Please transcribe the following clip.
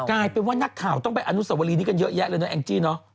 กลายเป็นว่านักข่าวต้องไปอนุสวรีนี้กันเยอะแยะเลยนะแองจี้เนอะ